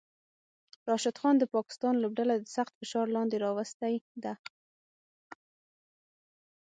راشد خان د پاکستان لوبډله د سخت فشار لاندې راوستی ده